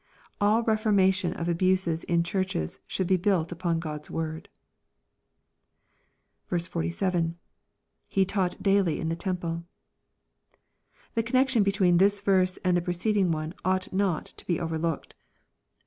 All reformation of abuses in Churches should be built upon God's Word. 47. — [He taught daily m the temple.] The connection between thia verse and the preceding one ought not tx) be overlooked, Om ■LVKB, CHAF.